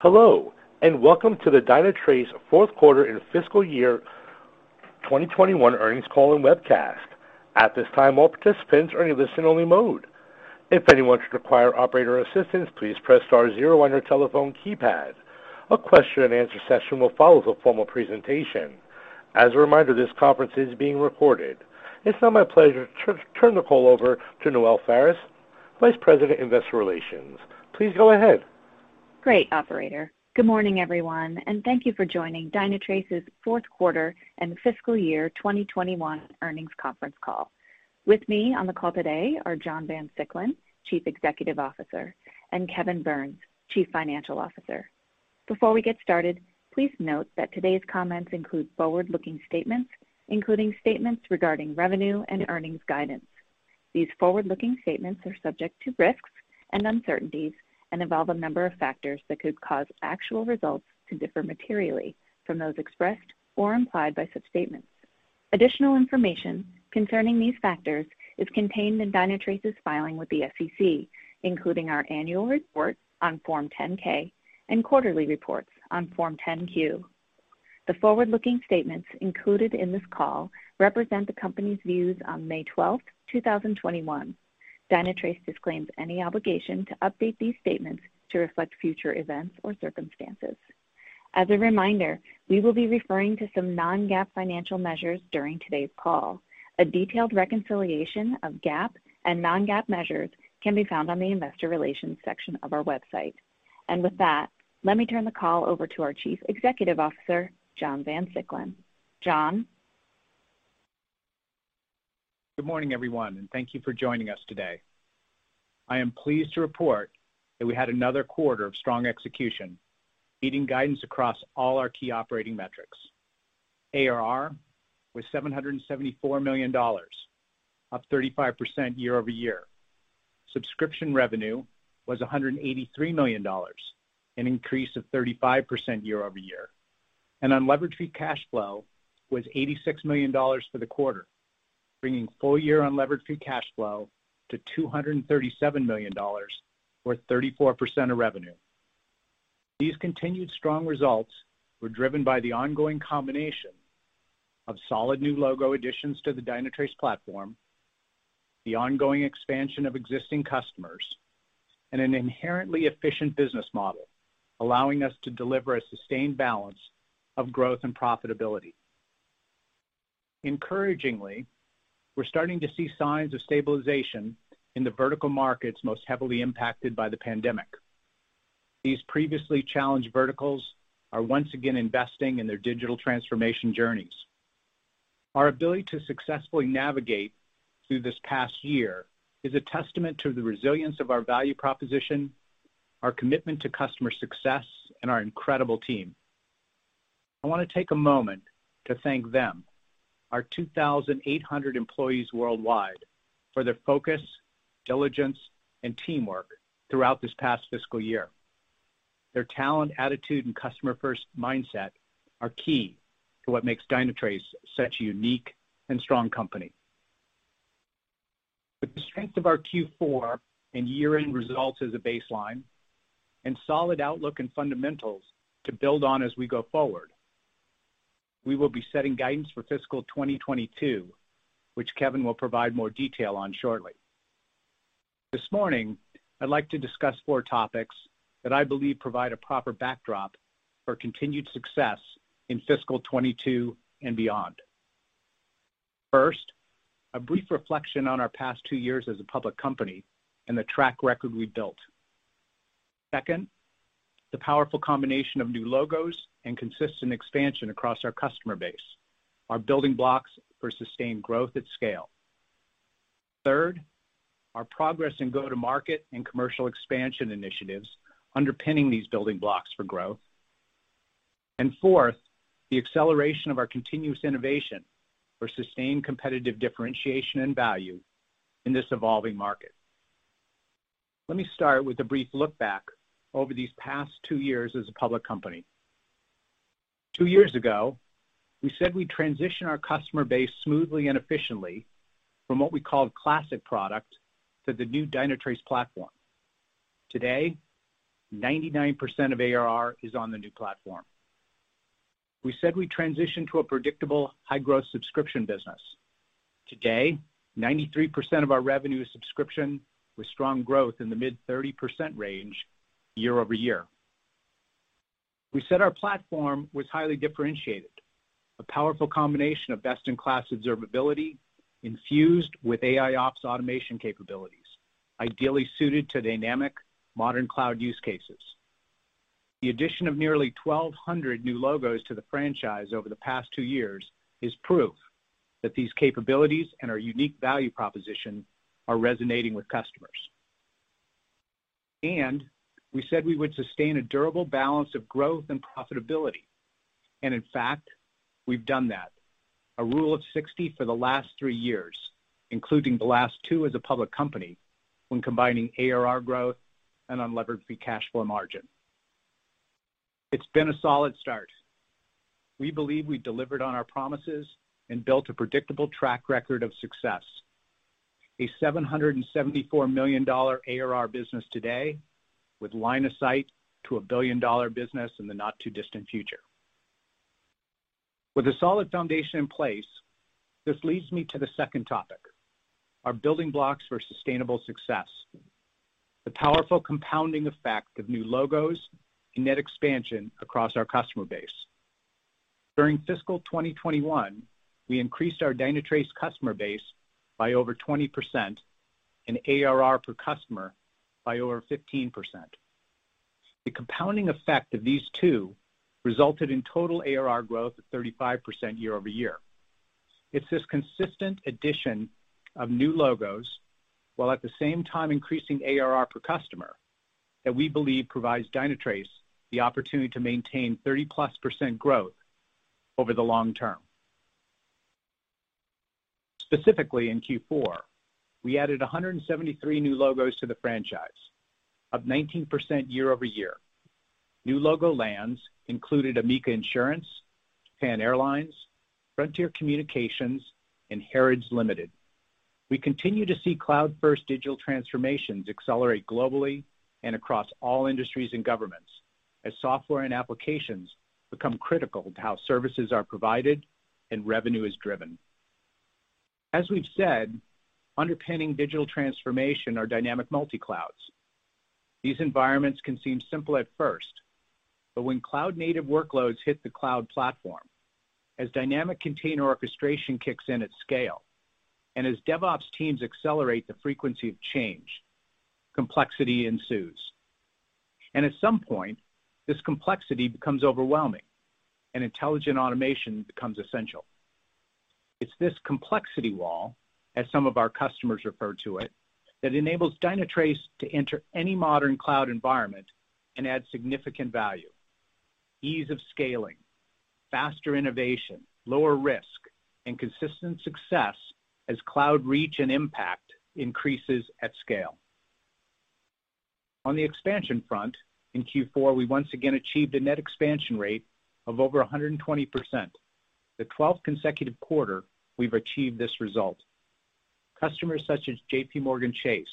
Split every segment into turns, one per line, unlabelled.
Hello, welcome to the Dynatrace fourth quarter and fiscal year 2021 earnings call and webcast. At this time, all participants are in a listen only mode. If anyone should require operator assistance, please press star zero on your telephone keypad. A question-and-answer session will follow the formal presentation. As a reminder, this conference is being recorded. It is now my pleasure to turn the call over to Noelle Faris, Vice President, Investor Relations. Please go ahead.
Great, operator. Good morning, everyone, and thank you for joining Dynatrace's fourth quarter and fiscal year 2021 earnings conference call. With me on the call today are John Van Siclen, Chief Executive Officer, and Kevin Burns, Chief Financial Officer. Before we get started, please note that today's comments include forward-looking statements, including statements regarding revenue and earnings guidance. These forward-looking statements are subject to risks and uncertainties and involve a number of factors that could cause actual results to differ materially from those expressed or implied by such statements. Additional information concerning these factors is contained in Dynatrace's filing with the SEC, including our Annual Report on Form 10-K and Quarterly Reports on Form 10-Q. The forward-looking statements included in this call represent the company's views on May 12th, 2021. Dynatrace disclaims any obligation to update these statements to reflect future events or circumstances. As a reminder, we will be referring to some non-GAAP financial measures during today's call. A detailed reconciliation of GAAP and non-GAAP measures can be found on the Investor Relations section of our website. With that, let me turn the call over to our Chief Executive Officer, John Van Siclen. John?
Good morning, everyone, and thank you for joining us today. I am pleased to report that we had another quarter of strong execution, beating guidance across all our key operating metrics. ARR was $774 million, up 35% year-over-year. Subscription revenue was $183 million, an increase of 35% year-over-year. Unlevered free cash flow was $86 million for the quarter, bringing full-year unlevered free cash flow to $237 million, or 34% of revenue. These continued strong results were driven by the ongoing combination of solid new logo additions to the Dynatrace platform, the ongoing expansion of existing customers, and an inherently efficient business model, allowing us to deliver a sustained balance of growth and profitability. Encouragingly, we're starting to see signs of stabilization in the vertical markets most heavily impacted by the pandemic. These previously challenged verticals are once again investing in their digital transformation journeys. Our ability to successfully navigate through this past year is a testament to the resilience of our value proposition, our commitment to customer success, and our incredible team. I want to take a moment to thank them, our 2,800 employees worldwide, for their focus, diligence, and teamwork throughout this past fiscal year. Their talent, attitude, and customer-first mindset are key to what makes Dynatrace such a unique and strong company. With the strength of our Q4 and year-end results as a baseline, and solid outlook and fundamentals to build on as we go forward, we will be setting guidance for Fiscal 2022, which Kevin will provide more detail on shortly. This morning, I'd like to discuss four topics that I believe provide a proper backdrop for continued success in Fiscal 2022 and beyond. First, a brief reflection on our past two years as a public company and the track record we built. Second, the powerful combination of new logos and consistent expansion across our customer base, our building blocks for sustained growth at scale. Third, our progress in go-to-market and commercial expansion initiatives underpinning these building blocks for growth. Fourth, the acceleration of our continuous innovation for sustained competitive differentiation and value in this evolving market. Let me start with a brief look back over these past two years as a public company. Two years ago, we said we'd transition our customer base smoothly and efficiently from what we called classic product to the new Dynatrace platform. Today, 99% of ARR is on the new platform. We said we'd transition to a predictable high-growth subscription business. Today, 93% of our revenue is subscription with strong growth in the mid-30% range year-over-year. We said our platform was highly differentiated, a powerful combination of best-in-class observability infused with AIOps automation capabilities, ideally suited to dynamic modern cloud use cases. The addition of nearly 1,200 new logos to the franchise over the past two years is proof that these capabilities and our unique value proposition are resonating with customers. We said we would sustain a durable balance of growth and profitability. In fact, we've done that, a rule of 60 for the last three years, including the last two as a public company when combining ARR growth and unlevered free cash flow margin. It's been a solid start. We believe we delivered on our promises and built a predictable track record of success. A $774 million ARR business today with line of sight to a billion-dollar business in the not-too-distant future. With a solid foundation in place, this leads me to the second topic, our building blocks for sustainable success, the powerful compounding effect of new logos and net expansion across our customer base. During Fiscal 2021, we increased our Dynatrace customer base by over 20% and ARR per customer by over 15%. The compounding effect of these two resulted in total ARR growth of 35% year-over-year. It's this consistent addition of new logos, while at the same time increasing ARR per customer, that we believe provides Dynatrace the opportunity to maintain 30%+ growth over the long-term. Specifically, in Q4, we added 173 new logos to the franchise, up 19% year-over-year. New logo lands included Amica Insurance, Pegasus Airlines, Frontier Communications, and Harrods Limited. We continue to see cloud-first digital transformations accelerate globally and across all industries and governments as software and applications become critical to how services are provided and revenue is driven. As we've said, underpinning digital transformation are dynamic multi-clouds. These environments can seem simple at first, but when cloud-native workloads hit the cloud platform, as dynamic container orchestration kicks in at scale, and as DevOps teams accelerate the frequency of change, complexity ensues. At some point, this complexity becomes overwhelming, and intelligent automation becomes essential. It's this complexity wall, as some of our customers refer to it, that enables Dynatrace to enter any modern cloud environment and add significant value, ease of scaling, faster innovation, lower risk, and consistent success as cloud reach and impact increases at scale. On the expansion front, in Q4, we once again achieved a net expansion rate of over 120%, the 12th consecutive quarter we've achieved this result. Customers such as JPMorgan Chase,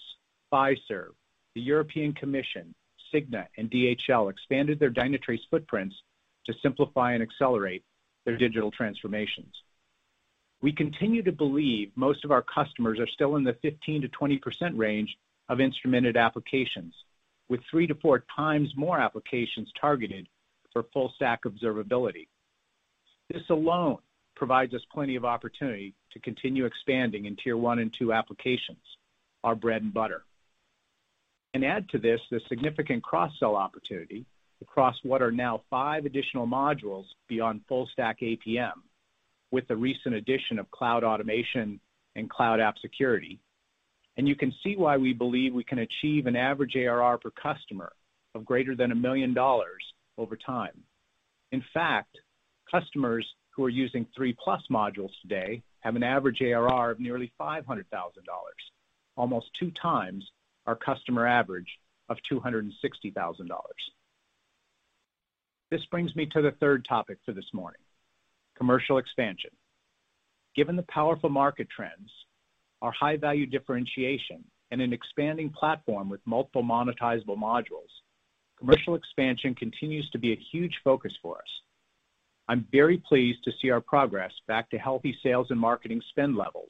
Fiserv, the European Commission, Cigna, and DHL expanded their Dynatrace footprints to simplify and accelerate their digital transformations. We continue to believe most of our customers are still in the 15%-20% range of instrumented applications, with 3x-4x more applications targeted for full-stack observability. This alone provides us plenty of opportunity to continue expanding in tier one and two applications, our bread and butter. Add to this the significant cross-sell opportunity across what are now five additional modules beyond full-stack APM with the recent addition of Cloud Automation and Cloud App Security, and you can see why we believe we can achieve an average ARR per customer of greater than $1 million over time. In fact, customers who are using 3+ modules today have an average ARR of nearly $500,000, almost 2x our customer average of $260,000. This brings me to the third topic for this morning, commercial expansion. Given the powerful market trends, our high-value differentiation, and an expanding platform with multiple monetizable modules, commercial expansion continues to be a huge focus for us. I'm very pleased to see our progress back to healthy sales and marketing spend levels,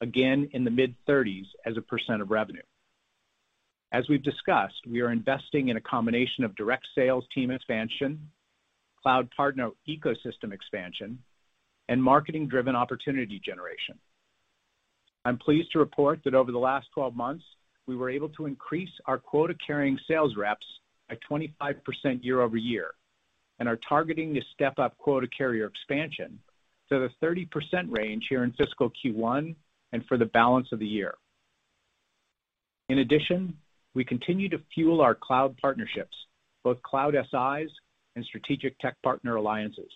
again, in the mid-30s as a % of revenue. As we've discussed, we are investing in a combination of direct sales team expansion, cloud partner ecosystem expansion, and marketing-driven opportunity generation. I'm pleased to report that over the last 12 months, we were able to increase our quota-carrying sales reps by 25% year-over-year and are targeting to step up quota carrier expansion to the 30% range here in fiscal Q1 and for the balance of the year. In addition, we continue to fuel our cloud partnerships, both cloud SIs and strategic tech partner alliances.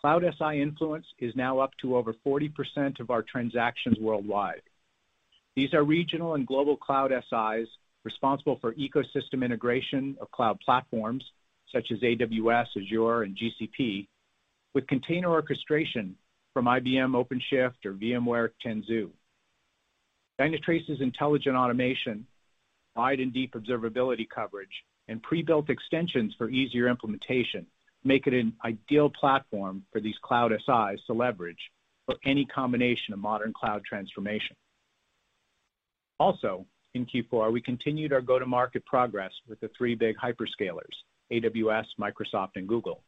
Cloud SI influence is now up to over 40% of our transactions worldwide. These are regional and global cloud SIs responsible for ecosystem integration of cloud platforms such as AWS, Azure, and GCP with container orchestration from IBM OpenShift or VMware Tanzu. Dynatrace's intelligent automation, wide and deep observability coverage, and pre-built extensions for easier implementation make it an ideal platform for these cloud SIs to leverage for any combination of modern cloud transformation. In Q4, we continued our go-to-market progress with the three big hyperscalers, AWS, Microsoft, and Google.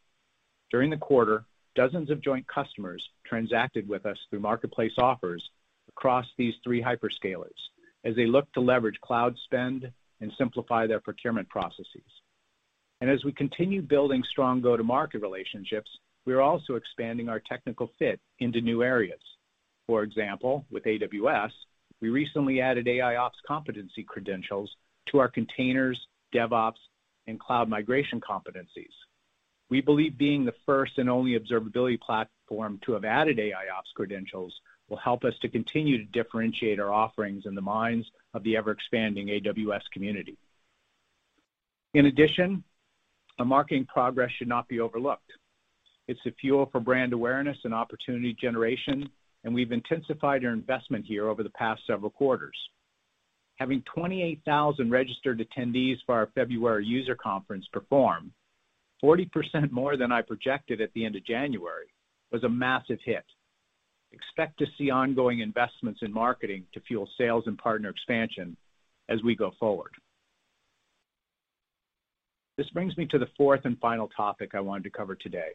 During the quarter, dozens of joint customers transacted with us through marketplace offers across these three hyperscalers as they look to leverage cloud spend and simplify their procurement processes. As we continue building strong go-to-market relationships, we are also expanding our technical fit into new areas. For example, with AWS, we recently added AIOps competency credentials to our containers, DevOps, and cloud migration competencies. We believe being the first and only observability platform to have added AIOps credentials will help us to continue to differentiate our offerings in the minds of the ever-expanding AWS community. Our marketing progress should not be overlooked. It's the fuel for brand awareness and opportunity generation, and we've intensified our investment here over the past several quarters. Having 28,000 registered attendees for our February user conference Perform, 40% more than I projected at the end of January, was a massive hit. Expect to see ongoing investments in marketing to fuel sales and partner expansion as we go forward. This brings me to the fourth and final topic I wanted to cover today,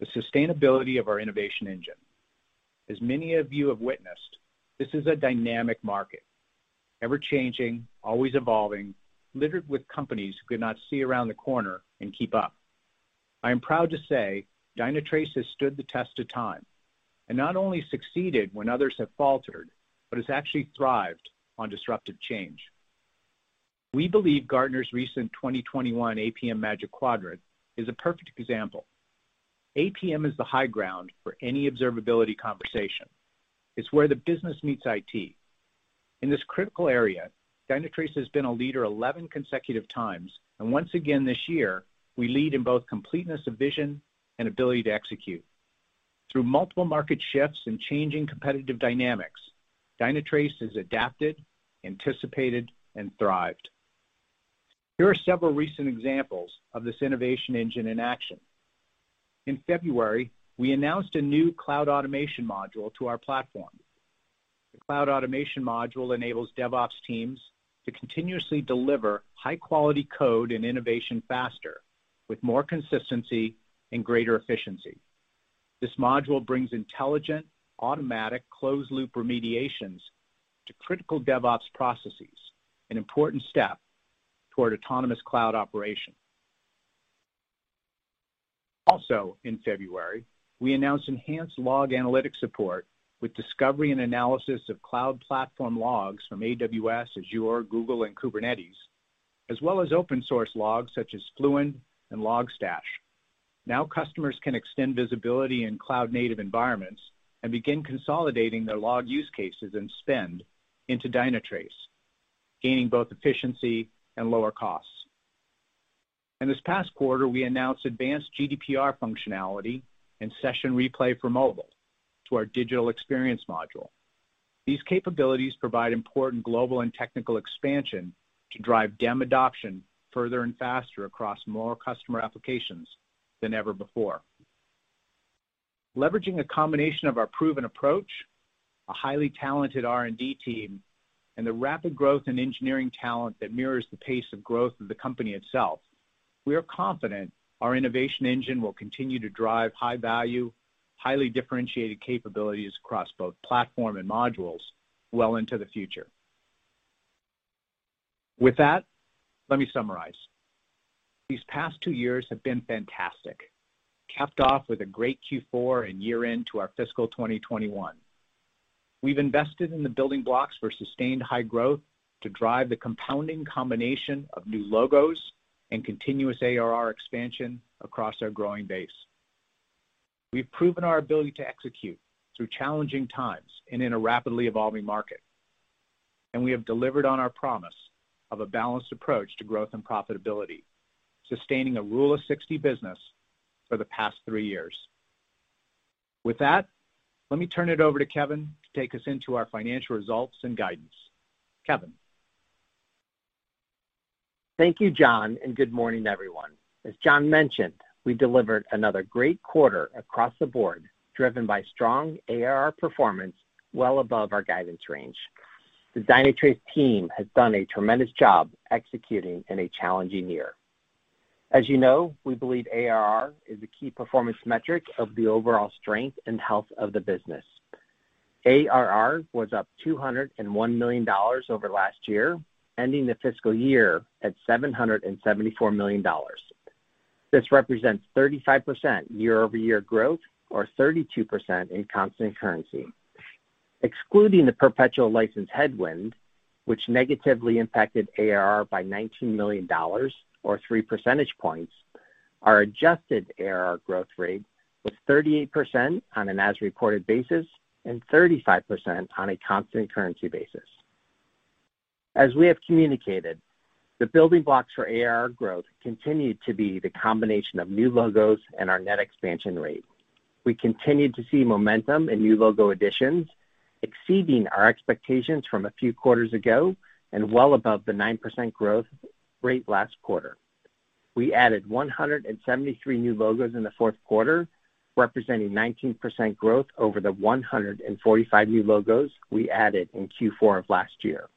the sustainability of our innovation engine. As many of you have witnessed, this is a dynamic market, ever-changing, always evolving, littered with companies who could not see around the corner and keep up. I am proud to say Dynatrace has stood the test of time and not only succeeded when others have faltered, but it's actually thrived on disruptive change. We believe Gartner's recent 2021 APM Magic Quadrant is a perfect example. APM is the high ground for any observability conversation. It's where the business meets IT. In this critical area, Dynatrace has been a leader 11 consecutive times, and once again this year, we lead in both completeness of vision and ability to execute. Through multiple market shifts and changing competitive dynamics, Dynatrace has adapted, anticipated, and thrived. Here are several recent examples of this innovation engine in action. In February, we announced a new Cloud Automation module to our platform. The Cloud Automation module enables DevOps teams to continuously deliver high-quality code and innovation faster, with more consistency and greater efficiency. This module brings intelligent, automatic closed-loop remediations to critical DevOps processes, an important step toward autonomous cloud operation. Also, in February, we announced enhanced log analytic support with discovery and analysis of cloud platform logs from AWS, Azure, Google, and Kubernetes, as well as open source logs such as Fluentd and Logstash. Now customers can extend visibility in cloud-native environments and begin consolidating their log use cases and spend into Dynatrace, gaining both efficiency and lower costs. In this past quarter, we announced advanced GDPR functionality and Session Replay for mobile to our digital experience module. These capabilities provide important global and technical expansion to drive DEM adoption further and faster across more customer applications than ever before. Leveraging a combination of our proven approach, a highly talented R&D team, and the rapid growth in engineering talent that mirrors the pace of growth of the company itself, we are confident our innovation engine will continue to drive high-value, highly differentiated capabilities across both platform and modules well into the future. With that, let me summarize. These past two years have been fantastic, capped off with a great Q4 and year-end to our Fiscal 2021. We've invested in the building blocks for sustained high growth to drive the compounding combination of new logos and continuous ARR expansion across our growing base. We've proven our ability to execute through challenging times and in a rapidly evolving market. We have delivered on our promise of a balanced approach to growth and profitability, sustaining a rule of 60 business for the past three years. With that, let me turn it over to Kevin to take us into our financial results and guidance. Kevin?
Thank you, John. Good morning, everyone. As John mentioned, we delivered another great quarter across the board, driven by strong ARR performance well above our guidance range. The Dynatrace team has done a tremendous job executing in a challenging year. As you know, we believe ARR is a key performance metric of the overall strength and health of the business. ARR was up $201 million over last year, ending the fiscal year at $774 million. This represents 35% year-over-year growth, or 32% in constant currency. Excluding the perpetual license headwind, which negatively impacted ARR by $19 million, or 3 percentage points, our adjusted ARR growth rate was 38% on an as-reported basis and 35% on a constant currency basis. As we have communicated, the building blocks for ARR growth continue to be the combination of new logos and our net expansion rate. We continued to see momentum in new logo additions, exceeding our expectations from a few quarters ago and well above the 9% growth rate last quarter. We added 173 new logos in the fourth quarter, representing 19% growth over the 145 new logos we added in Q4 of last year.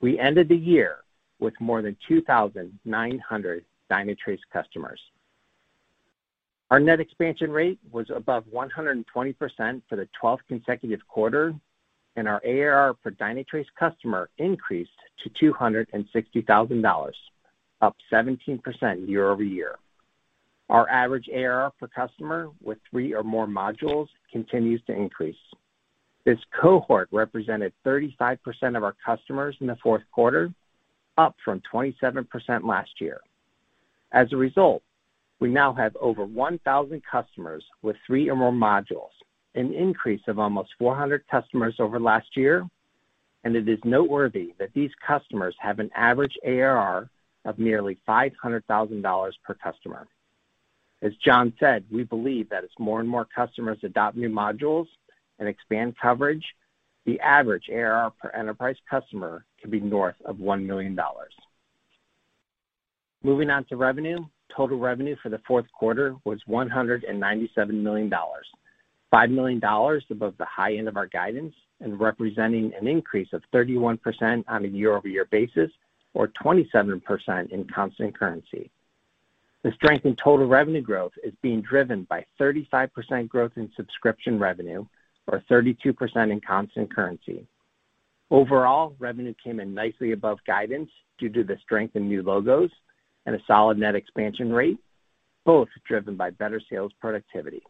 We ended the year with more than 2,900 Dynatrace customers. Our net expansion rate was above 120% for the 12th consecutive quarter, and our ARR per Dynatrace customer increased to $260,000, up 17% year-over-year. Our average ARR per customer with three or more modules continues to increase. This cohort represented 35% of our customers in the fourth quarter, up from 27% last year. As a result, we now have over 1,000 customers with three or more modules, an increase of almost 400 customers over last year, and it is noteworthy that these customers have an average ARR of nearly $500,000 per customer. As John said, we believe that as more and more customers adopt new modules and expand coverage, the average ARR per enterprise customer can be north of $1 million. Moving on to revenue. Total revenue for the fourth quarter was $197 million, $5 million above the high end of our guidance and representing an increase of 31% on a year-over-year basis or 27% in constant currency. The strength in total revenue growth is being driven by 35% growth in subscription revenue or 32% in constant currency. Overall, revenue came in nicely above guidance due to the strength in new logos and a solid net expansion rate, both driven by better sales productivity.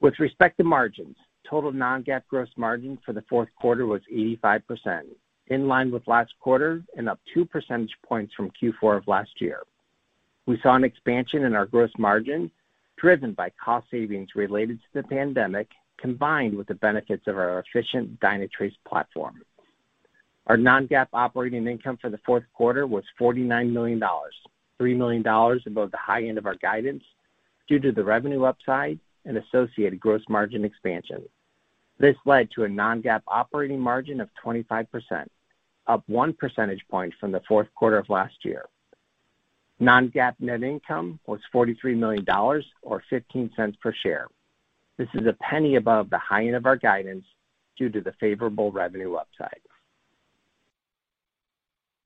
With respect to margins, total non-GAAP gross margin for the fourth quarter was 85%, in line with last quarter and up 2 percentage points from Q4 of last year. We saw an expansion in our gross margin driven by cost savings related to the pandemic, combined with the benefits of our efficient Dynatrace platform. Our non-GAAP operating income for the fourth quarter was $49 million, $3 million above the high end of our guidance due to the revenue upside and associated gross margin expansion. This led to a non-GAAP operating margin of 25%, up 1 percentage point from the fourth quarter of last year. Non-GAAP net income was $43 million, or $0.15 per share. This is $0.01 above the high end of our guidance due to the favorable revenue upside.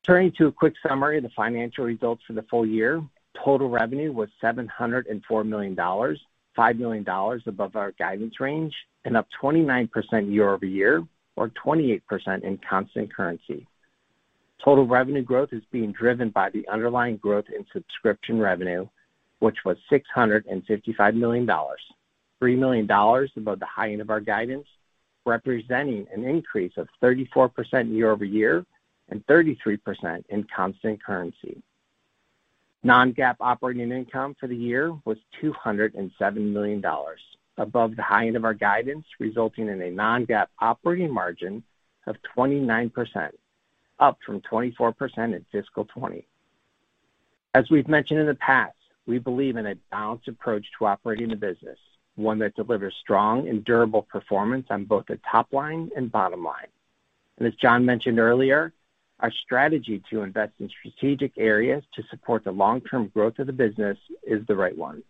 Turning to a quick summary of the financial results for the full-year. Total revenue was $704 million, $5 million above our guidance range and up 29% year-over-year or 28% in constant currency. Total revenue growth is being driven by the underlying growth in subscription revenue, which was $655 million, $3 million above the high end of our guidance, representing an increase of 34% year-over-year and 33% in constant currency. Non-GAAP operating income for the year was $207 million, above the high end of our guidance, resulting in a non-GAAP operating margin of 29%, up from 24% in Fiscal 2020. As we've mentioned in the past, we believe in a balanced approach to operating the business, one that delivers strong and durable performance on both the top line and bottom line. As John mentioned earlier, our strategy to invest in strategic areas to support the long-term growth of the business is the right one.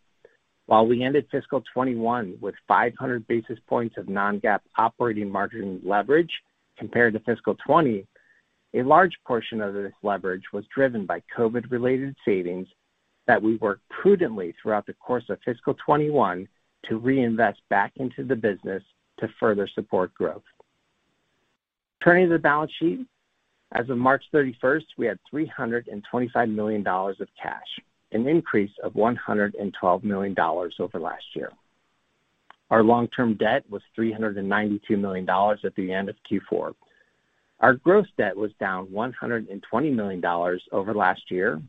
While we ended Fiscal 2021 with 500 basis points of non-GAAP operating margin leverage compared to Fiscal 2020, a large portion of this leverage was driven by COVID-related savings that we worked prudently throughout the course of Fiscal 2021 to reinvest back into the business to further support growth. Turning to the balance sheet. As of March 31st, we had $325 million of cash, an increase of $112 million over last year. Our long-term debt was $392 million at the end of Q4. Our gross debt was down $120 million over last year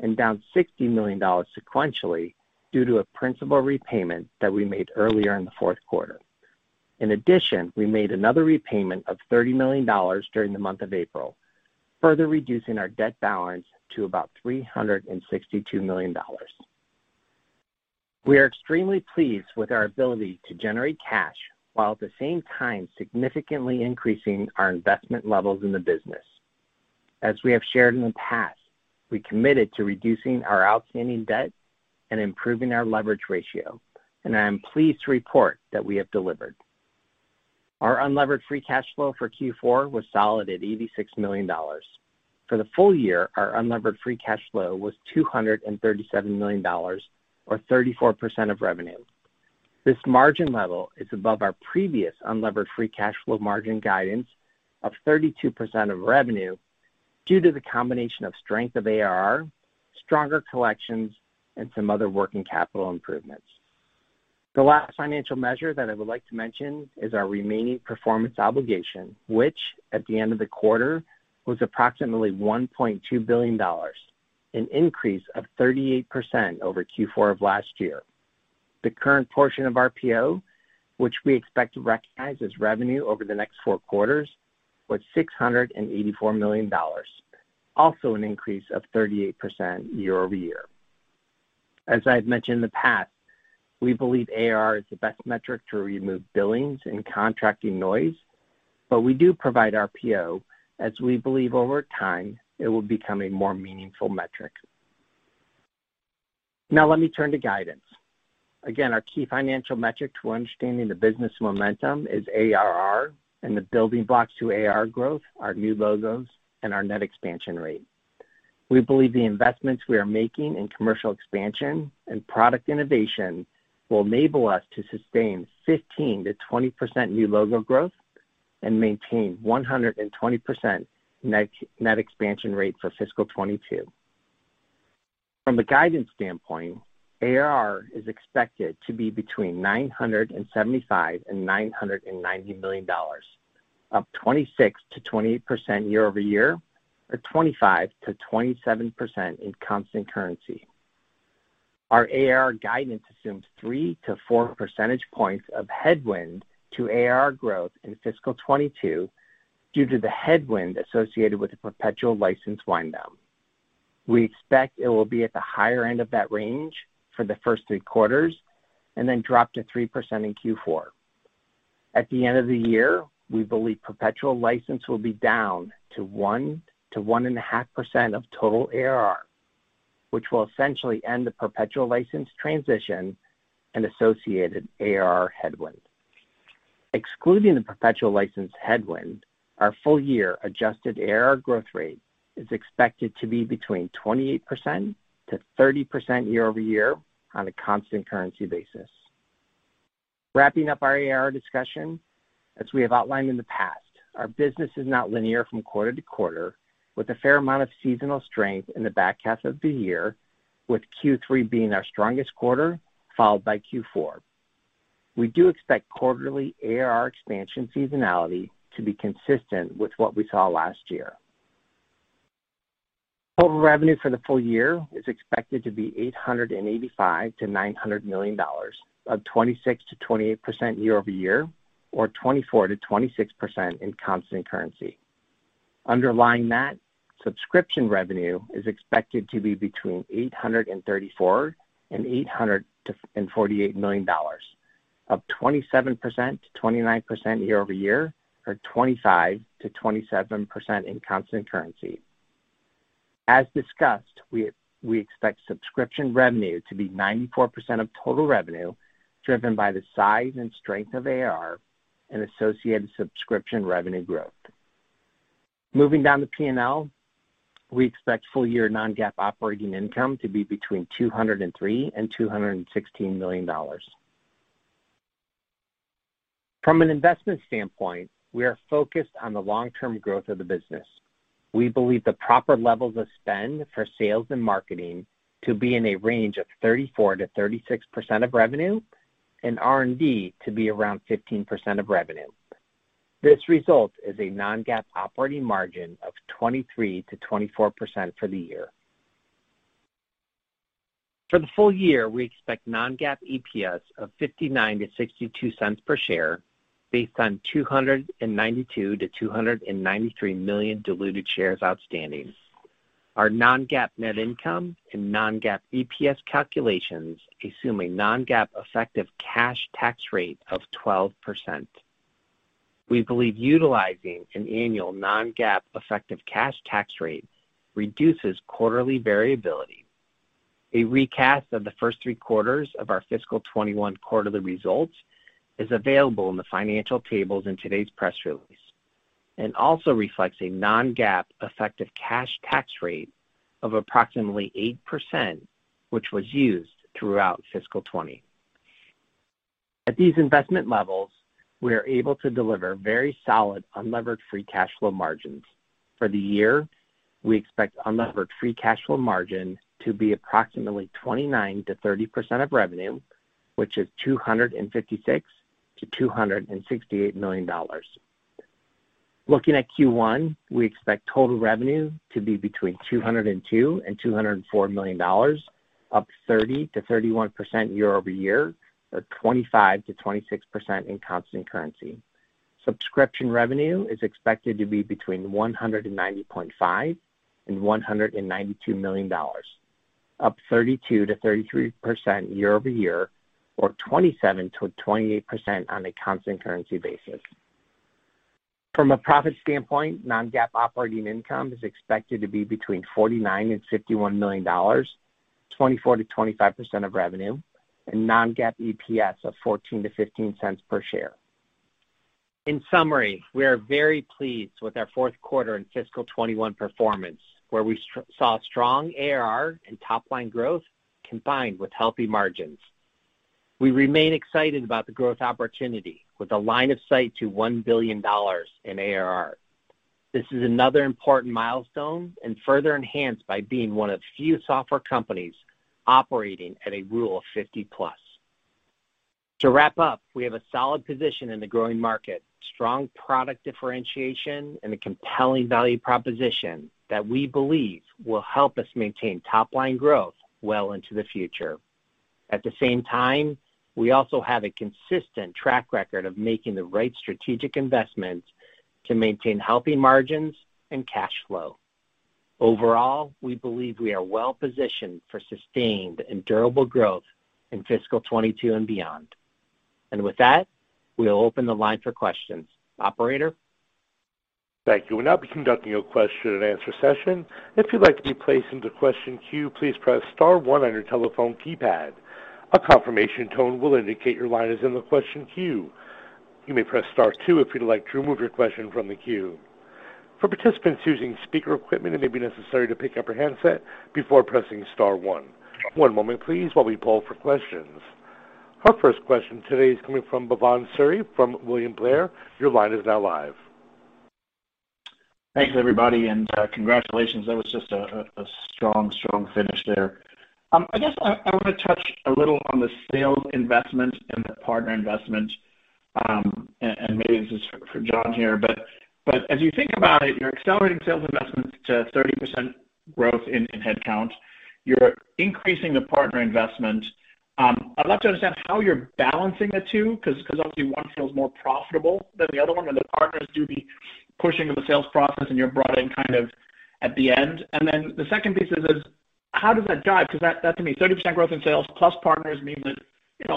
and down $60 million sequentially due to a principal repayment that we made earlier in the fourth quarter. In addition, we made another repayment of $30 million during the month of April, further reducing our debt balance to about $362 million. We are extremely pleased with our ability to generate cash while at the same time significantly increasing our investment levels in the business. As we have shared in the past, we committed to reducing our outstanding debt and improving our leverage ratio, and I am pleased to report that we have delivered. Our unlevered free cash flow for Q4 was solid at $86 million. For the full-year, our unlevered free cash flow was $237 million, or 34% of revenue. This margin level is above our previous unlevered free cash flow margin guidance of 32% of revenue due to the combination of strength of ARR, stronger collections, and some other working capital improvements. The last financial measure that I would like to mention is our remaining performance obligation, which at the end of the quarter was approximately $1.2 billion, an increase of 38% over Q4 of last year. The current portion of RPO, which we expect to recognize as revenue over the next four quarters, was $684 million, also an increase of 38% year-over-year. As I have mentioned in the past, we believe ARR is the best metric to remove billings and contracting noise, we do provide RPO as we believe over time it will become a more meaningful metric. Let me turn to guidance. Our key financial metric to understanding the business momentum is ARR and the building blocks to ARR growth are new logos and our net expansion rate. We believe the investments we are making in commercial expansion and product innovation will enable us to sustain 15%-20% new logo growth and maintain 120% net expansion rate for Fiscal 2022. From the guidance standpoint, ARR is expected to be between $975 million-$990 million. Up 26%-28% year-over-year, or 25%-27% in constant currency. Our ARR guidance assumes 3-4 percentage points of headwind to ARR growth in Fiscal 2022 due to the headwind associated with the perpetual license wind down. We expect it will be at the higher end of that range for the first three quarters and then drop to 3% in Q4. At the end of the year, we believe perpetual license will be down to 1%-1.5% of total ARR, which will essentially end the perpetual license transition and associated ARR headwind. Excluding the perpetual license headwind, our full-year adjusted ARR growth rate is expected to be between 28%-30% year-over-year on a constant currency basis. Wrapping up our ARR discussion, as we have outlined in the past, our business is not linear from quarter-to-quarter, with a fair amount of seasonal strength in the back half of the year, with Q3 being our strongest quarter, followed by Q4. We do expect quarterly ARR expansion seasonality to be consistent with what we saw last year. Total revenue for the full-year is expected to be $885 million-$900 million, up 26%-28% year-over-year, or 24%-26% in constant currency. Underlying that, subscription revenue is expected to be between $834 million and $848 million, up 27%-29% year-over-year, or 25%-27% in constant currency. As discussed, we expect subscription revenue to be 94% of total revenue, driven by the size and strength of ARR and associated subscription revenue growth. Moving down to P&L, we expect full-year non-GAAP operating income to be between $203 million and $216 million. From an investment standpoint, we are focused on the long-term growth of the business. We believe the proper levels of spend for sales and marketing to be in a range of 34%-36% of revenue, and R&D to be around 15% of revenue. This results in a non-GAAP operating margin of 23%-24% for the year. For the full-year, we expect non-GAAP EPS of $0.59-$0.62 per share, based on 292 million-293 million diluted shares outstanding. Our non-GAAP net income and non-GAAP EPS calculations assume a non-GAAP effective cash tax rate of 12%. We believe utilizing an annual non-GAAP effective cash tax rate reduces quarterly variability. A recast of the first three quarters of our Fiscal 2021 quarterly results is available in the financial tables in today's press release, and also reflects a non-GAAP effective cash tax rate of approximately 8%, which was used throughout Fiscal 2020. At these investment levels, we are able to deliver very solid unlevered free cash flow margins. For the year, we expect unlevered free cash flow margin to be approximately 29%-30% of revenue, which is $256 million-$268 million. Looking at Q1, we expect total revenue to be between $202 million and $204 million, up 30%-31% year-over-year, or 25%-26% in constant currency. Subscription revenue is expected to be between $190.5 million-$192 million, up 32%-33% year-over-year, or 27%-28% on a constant currency basis. From a profit standpoint, non-GAAP operating income is expected to be between $49 million-$51 million, 24%-25% of revenue, and non-GAAP EPS of $0.14-$0.15 per share. In summary, we are very pleased with our fourth quarter and fiscal 2021 performance, where we saw strong ARR and top line growth combined with healthy margins. We remain excited about the growth opportunity with a line of sight to $1 billion in ARR. This is another important milestone and further enhanced by being one of few software companies operating at a rule of 50+. To wrap up, we have a solid position in the growing market, strong product differentiation, and a compelling value proposition that we believe will help us maintain top-line growth well into the future. At the same time, we also have a consistent track record of making the right strategic investments to maintain healthy margins and cash flow. Overall, we believe we are well positioned for sustained and durable growth in Fiscal 2022 and beyond. With that, we'll open the line for questions. Operator?
Thank you. We will now be conducting your question-and-answer session. If you'd like to be placed into question queue, please press star one on your telephone keypad. A confirmation tone will indicate your line is in the question queue. You may press star two if you'd like to remove your question from the queue. For participants using speaker equipment, it may be necessary to pick up your headset before pressing star one. One moment please while we pull for questions. Our first question today is coming from Bhavan Suri from William Blair. Your line is now live.
Thanks everybody, and congratulations. That was just a strong finish there. I guess I want to touch a little on the sales investment and the partner investment. Maybe this is for John here. As you think about it, you're accelerating sales investments to 30% growth in head count. You're increasing the partner investment. I'd love to understand how you're balancing the two, because obviously one feels more profitable than the other one, and the partners do the pushing of the sales process, and you're brought in kind of at the end. The second piece is how does that jive? That to me, 30% growth in sales plus partners means that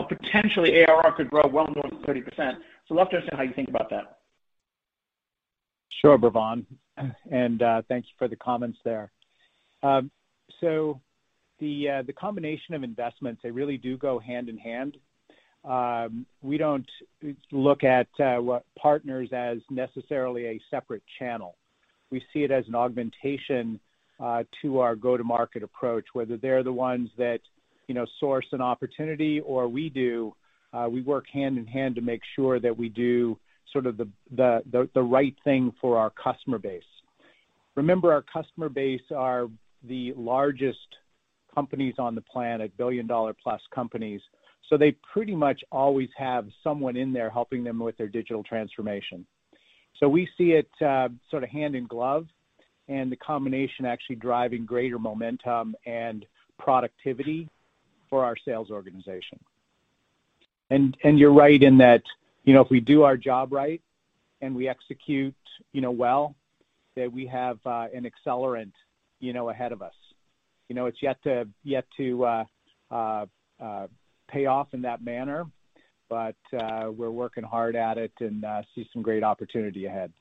potentially ARR could grow well more than 30%. I'd love to understand how you think about that.
Sure, Bhavan. Thanks for the comments there. The combination of investments, they really do go hand in hand. We don't look at partners as necessarily a separate channel. We see it as an augmentation to our go-to-market approach, whether they're the ones that source an opportunity or we do. We work hand in hand to make sure that we do sort of the right thing for our customer base. Remember, our customer base are the largest companies on the planet, billion-dollar plus companies, so they pretty much always have someone in there helping them with their digital transformation. We see it sort of hand in glove, and the combination actually driving greater momentum and productivity for our sales organization. You're right in that if we do our job right and we execute well, that we have an accelerant ahead of us. It's yet to pay off in that manner. We're working hard at it and see some great opportunity ahead.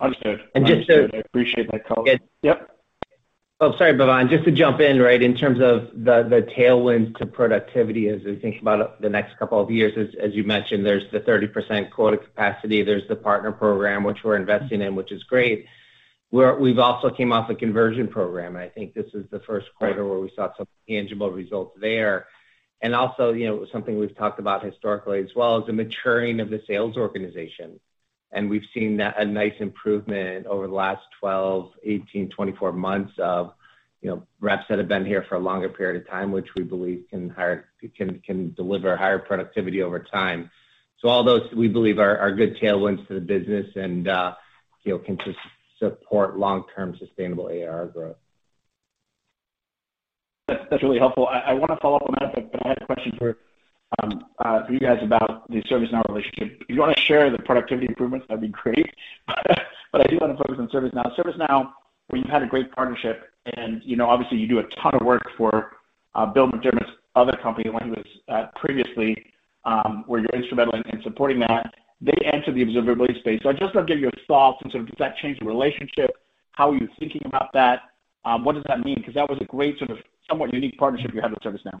Understood.
And just to-
I appreciate that color. Yep.
Sorry, Bhavan, just to jump in, right? In terms of the tailwinds to productivity as we think about the next couple of years, as you mentioned, there's the 30% quota capacity. There's the partner program, which we're investing in, which is great. We've also came off a conversion program, and I think this is the first quarter where we saw some tangible results there. Also, something we've talked about historically as well, is the maturing of the sales organization. We've seen a nice improvement over the last 12, 18, 24 months of reps that have been here for a longer period of time, which we believe can deliver higher productivity over time. All those we believe are good tailwinds to the business and can just support long-term sustainable ARR growth.
That's really helpful. I want to follow up on that. I had a question for you guys about the ServiceNow relationship. If you want to share the productivity improvements, that'd be great. I do want to focus on ServiceNow. ServiceNow, where you've had a great partnership, and obviously you do a ton of work for Bill McDermott's other company, the one he was at previously, where you're instrumental in supporting that. They entered the observability space. I just want to get your thoughts and sort of does that change the relationship? How are you thinking about that? What does that mean? Because that was a great sort of somewhat unique partnership you had with ServiceNow.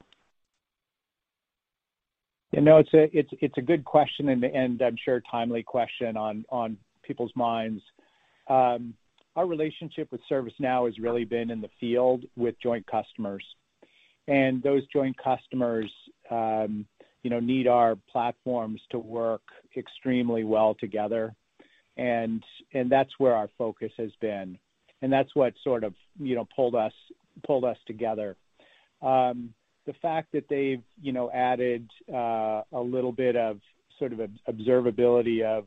It's a good question and I'm sure a timely question on people's minds. Our relationship with ServiceNow has really been in the field with joint customers. Those joint customers need our platforms to work extremely well together. That's where our focus has been, and that's what sort of pulled us together. The fact that they've added a little bit of sort of observability of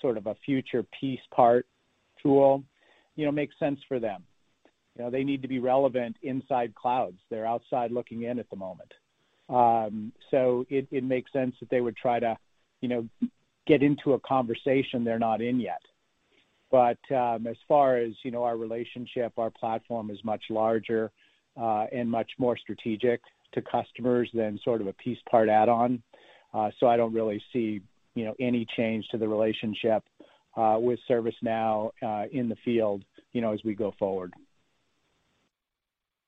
sort of a future piece part tool, makes sense for them. They need to be relevant inside clouds. They're outside looking in at the moment. It makes sense that they would try to get into a conversation they're not in yet. As far as our relationship, our platform is much larger, and much more strategic to customers than sort of a piece part add-on. I don't really see any change to the relationship with ServiceNow in the field as we go forward.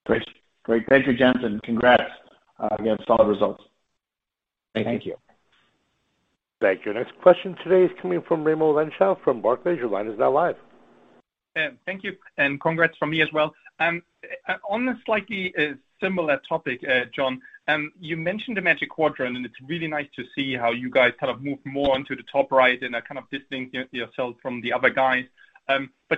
Great. Thank you, gents, and congrats against all the results.
Thank you.
Thank you.
Thank you. Next question today is coming from Raimo Lenschow from Barclays. Your line is now live.
Thank you. Congrats from me as well. On a slightly similar topic, John, you mentioned the Magic Quadrant, and it's really nice to see how you guys kind of moved more into the top right and are kind of distancing yourselves from the other guys.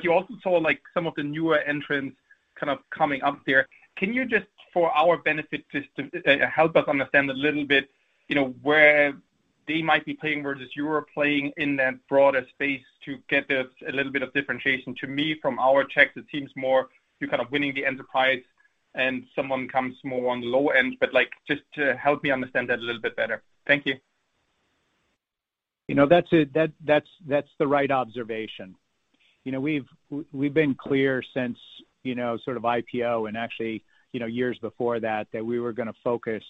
You also saw, like, some of the newer entrants kind of coming up there. Can you just for our benefit, help us understand a little bit where they might be playing versus you are playing in that broader space to get a little bit of differentiation? To me, from our checks, it seems more you're kind of winning the enterprise and someone comes more on the low end. Like, just to help me understand that a little bit better. Thank you.
That's the right observation. We've been clear since sort of IPO and actually years before that we were going to focus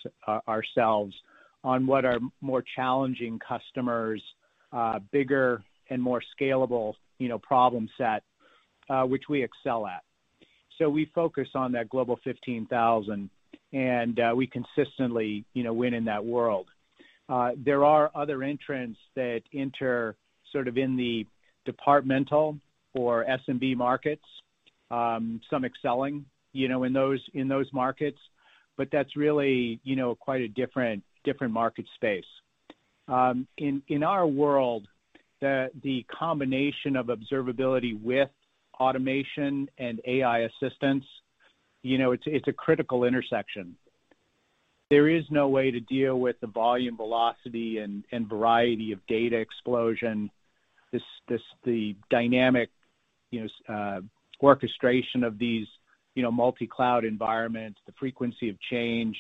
ourselves on what our more challenging customers, bigger and more scalable problem set, which we excel at. We focus on that Global 15,000, and we consistently win in that world. There are other entrants that enter sort of in the departmental or SMB markets. Some excelling in those markets, but that's really quite a different market space. In our world, the combination of observability with automation and AI assistance, it's a critical intersection. There is no way to deal with the volume, velocity, and variety of data explosion, the dynamic orchestration of these multi-cloud environments, the frequency of change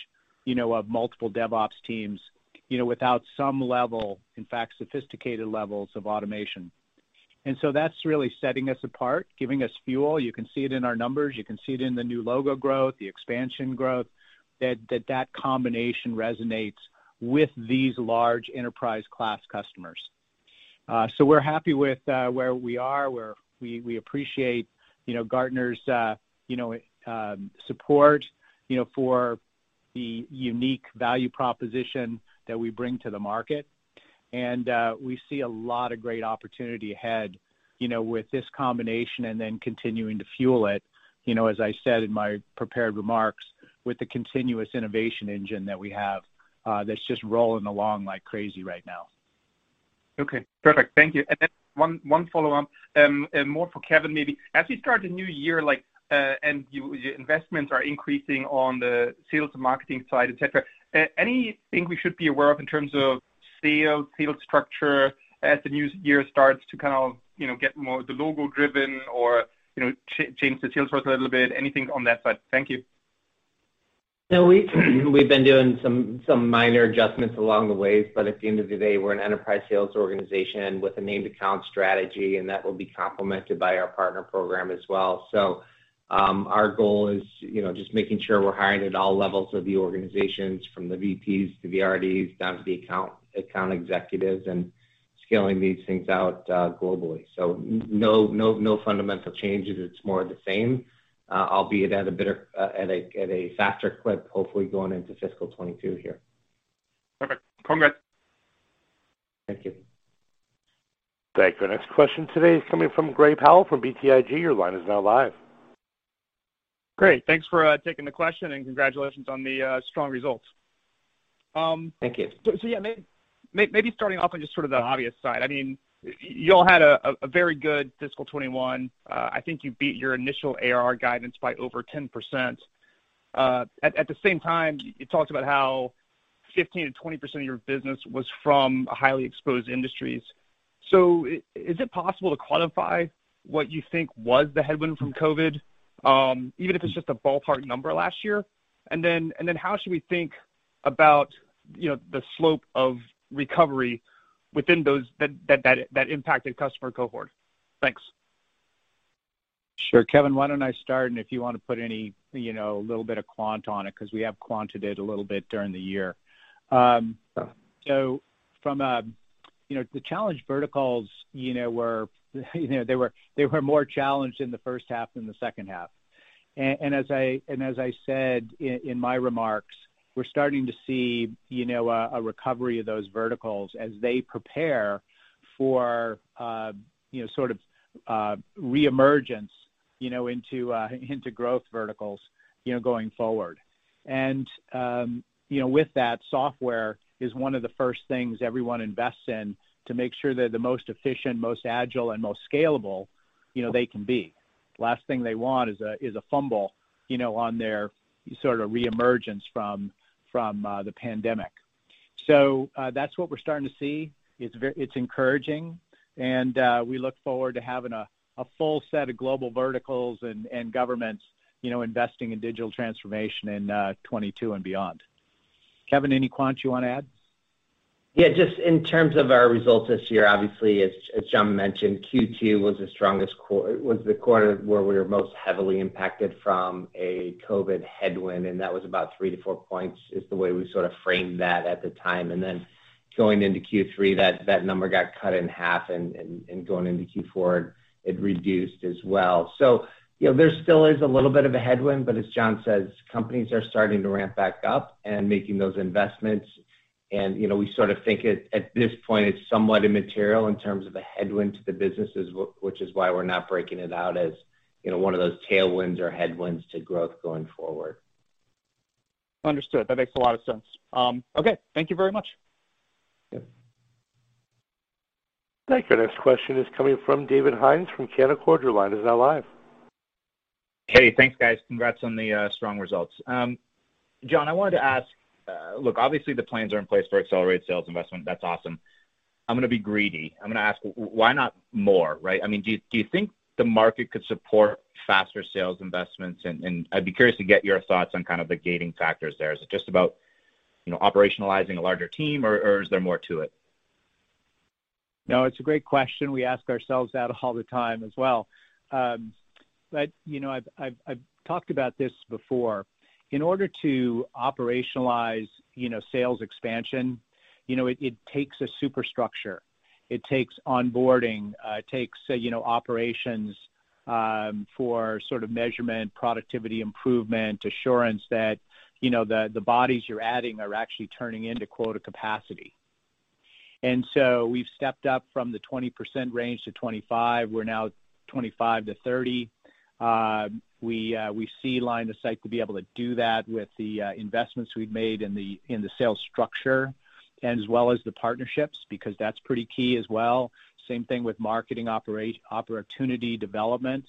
of multiple DevOps teams without some level, in fact, sophisticated levels of automation. That's really setting us apart, giving us fuel. You can see it in our numbers, you can see it in the new logo growth, the expansion growth, that combination resonates with these large enterprise class customers. We're happy with where we are. We appreciate Gartner's support for the unique value proposition that we bring to the market. We see a lot of great opportunity ahead with this combination and then continuing to fuel it, as I said in my prepared remarks, with the continuous innovation engine that we have that's just rolling along like crazy right now.
Okay, perfect. Thank you. One follow-up, more for Kevin, maybe. As we start the new year, and your investments are increasing on the sales and marketing side, et cetera, anything we should be aware of in terms of sales structure as the new year starts to get more logo-driven or change the sales force a little bit? Anything on that side? Thank you.
We've been doing some minor adjustments along the way, but at the end of the day, we're an enterprise sales organization with a named account strategy, and that will be complemented by our partner program as well. Our goal is just making sure we're hiring at all levels of the organizations, from the VPs to the RDs, down to the account executives and scaling these things out globally. No fundamental changes. It's more of the same, albeit at a faster clip, hopefully going into Fiscal 2022 here.
Perfect. Congrats.
Thank you.
Thank you. Our next question today is coming from Gray Powell from BTIG. Your line is now live.
Great. Thanks for taking the question. Congratulations on the strong results.
Thank you.
Yeah, maybe starting off on just sort of the obvious side. You all had a very good Fiscal 2021. I think you beat your initial ARR guidance by over 10%. At the same time, you talked about how 15%-20% of your business was from highly exposed industries. Is it possible to quantify what you think was the headwind from COVID, even if it's just a ballpark number last year? How should we think about the slope of recovery within that impacted customer cohort? Thanks.
Sure. Kevin, why don't I start, and if you want to put any little bit of quant on it, because we have quanted it a little bit during the year.
Sure.
From the challenged verticals, they were more challenged in the first half than the second half. As I said in my remarks, we're starting to see a recovery of those verticals as they prepare for reemergence into growth verticals going forward. With that, software is one of the first things everyone invests in to make sure they're the most efficient, most agile, and most scalable they can be. Last thing they want is a fumble on their reemergence from the pandemic. That's what we're starting to see. It's encouraging, and we look forward to having a full set of global verticals and governments investing in digital transformation in 2022 and beyond. Kevin, any quant you want to add?
Just in terms of our results this year, obviously, as John mentioned, Q2 was the quarter where we were most heavily impacted from a COVID headwind, and that was about three to four points is the way we sort of framed that at the time. Going into Q3, that number got cut in half, and going into Q4, it reduced as well. There still is a little bit of a headwind, but as John says, companies are starting to ramp back up and making those investments. We sort of think at this point it's somewhat immaterial in terms of a headwind to the businesses, which is why we're not breaking it out as one of those tailwinds or headwinds to growth going forward.
Understood. That makes a lot of sense. Okay. Thank you very much.
Yeah.
Thank you. Our next question is coming from David Hynes from Canaccord. Your line is now live.
Hey, thanks, guys. Congrats on the strong results. John, I wanted to ask, look, obviously the plans are in place for accelerated sales investment. That's awesome. I'm going to be greedy. I'm going to ask, why not more, right? Do you think the market could support faster sales investments? I'd be curious to get your thoughts on kind of the gating factors there. Is it just about operationalizing a larger team, or is there more to it?
No, it's a great question. We ask ourselves that all the time as well. I've talked about this before. In order to operationalize sales expansion, it takes a superstructure. It takes onboarding. It takes operations for sort of measurement, productivity improvement, assurance that the bodies you're adding are actually turning into quota capacity. We've stepped up from the 20% range to 25%. We're now 25%-30%. We see line of sight to be able to do that with the investments we've made in the sales structure and as well as the partnerships, because that's pretty key as well. Same thing with marketing opportunity development.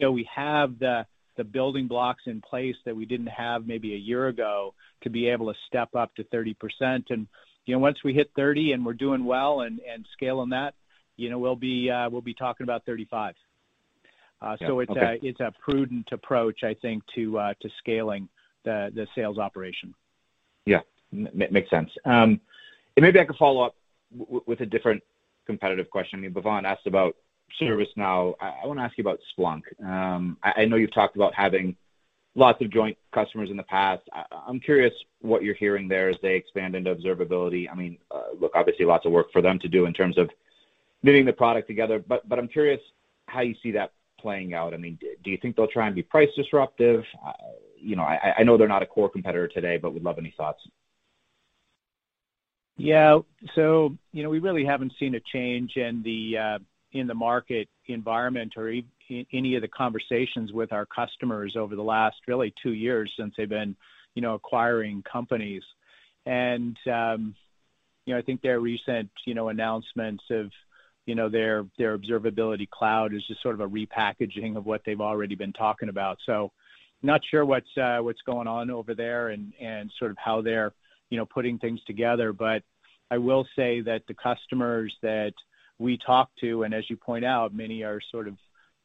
We have the building blocks in place that we didn't have maybe a year ago to be able to step up to 30%. Once we hit 30% and we're doing well and scale on that, we'll be talking about 35%.
Yeah. Okay.
It's a prudent approach, I think, to scaling the sales operation.
Yeah. Makes sense. Maybe I could follow up with a different competitive question. Bhavan asked about ServiceNow. I want to ask you about Splunk. I know you've talked about having lots of joint customers in the past. I'm curious what you're hearing there as they expand into observability. Look, obviously lots of work for them to do in terms of knitting the product together, but I'm curious how you see that playing out. Do you think they'll try and be price disruptive? I know they're not a core competitor today, but would love any thoughts.
Yeah. We really haven't seen a change in the market environment or any of the conversations with our customers over the last, really, two years since they've been acquiring companies. I think their recent announcements of their Observability Cloud is just sort of a repackaging of what they've already been talking about. Not sure what's going on over there and sort of how they're putting things together. I will say that the customers that we talk to, and as you point out, many have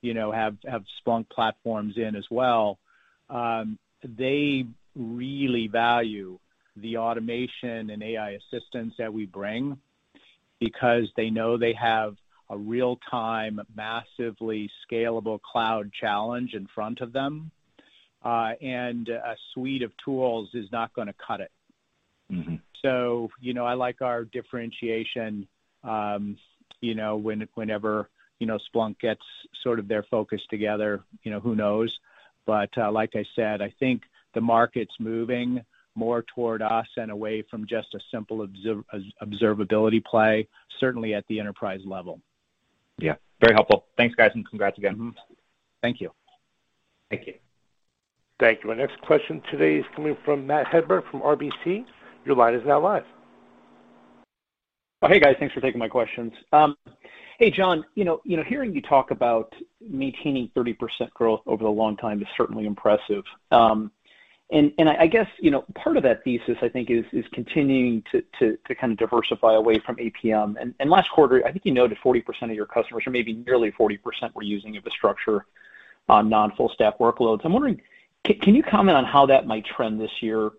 Splunk platforms in as well. They really value the automation and AI assistance that we bring because they know they have a real-time, massively scalable cloud challenge in front of them. A suite of tools is not going to cut it. I like our differentiation. Whenever Splunk gets sort of their focus together, who knows? Like I said, I think the market's moving more toward us and away from just a simple observability play, certainly at the enterprise level.
Yeah. Very helpful. Thanks, guys, and congrats again.
Thank you.
Thank you.
Thank you. Our next question today is coming from Matth Hedberg from RBC. Your line is now live.
Hey, guys. Thanks for taking my questions. Hey, John. Hearing you talk about maintaining 30% growth over the long time is certainly impressive. I guess, part of that thesis, I think, is continuing to kind of diversify away from APM. Last quarter, I think you noted 40% of your customers, or maybe nearly 40%, were using infrastructure on non-full-stack workloads. I'm wondering, can you comment on how that might trend this year?